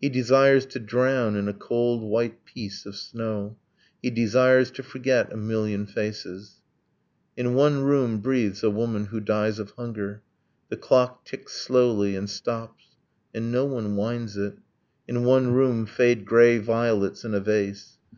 He desires to drown in a cold white peace of snow. He desires to forget a million faces ... In one room breathes a woman who dies of hunger. The clock ticks slowly and stops. And no one winds it. In one room fade grey violets in a vase.